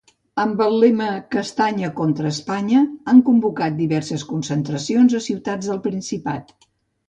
Amb el lema ‘Castanya contra Espanya’, han convocat diverses concentracions a ciutats del Principat.